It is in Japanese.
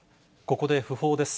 ここで訃報です。